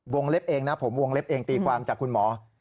เล็บเองนะผมวงเล็บเองตีความจากคุณหมอ